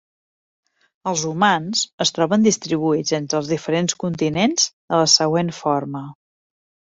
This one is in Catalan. Els humans es troben distribuïts entre els diferents continents de la següent forma.